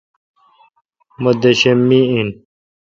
مہ دیشم می این۔